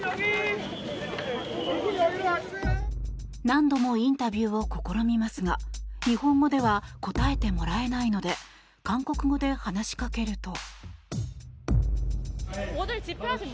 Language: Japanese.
何度もインタビューを試みますが日本語では答えてもらえないので韓国語で話しかけると。